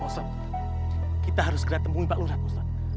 pak ustadz kita harus segera temui pak lura pak ustadz